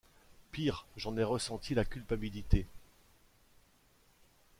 Pire, j’en ai ressenti la culpabilité…